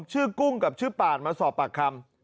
กุ้งกับชื่อปานมาสอบปากคำ